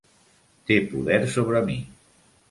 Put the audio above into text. Té poder sobre mi.